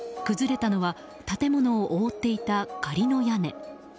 崩れたのは建物を覆っていた仮の屋根。